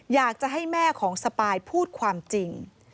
อยากจะให้แม่ของสปายพูดความจริง